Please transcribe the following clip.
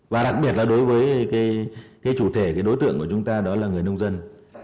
và đặc biệt là đối với chủ thể đối tượng của chúng ta đó là người nông dân